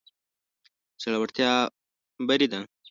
زړورتيا بري ده.